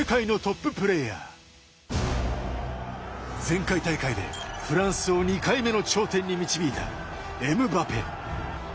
前回大会でフランスを２回目の頂点に導いたエムバペ。